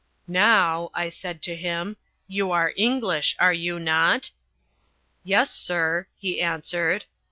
'Now,' I said to him, 'you are English, are you not?' 'Yes, sir,' he answered.